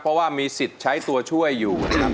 เพราะว่ามีสิทธิ์ใช้ตัวช่วยอยู่นะครับ